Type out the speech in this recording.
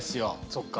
そっか。